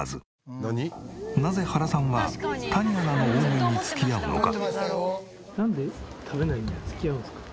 なぜ原さんは谷アナの大食いに付き合うのか？